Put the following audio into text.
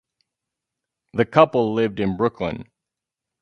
The couple lived in Brooklyn.